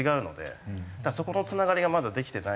そこのつながりがまだできてないので。